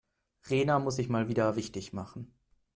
Rena muss sich mal wieder wichtig machen.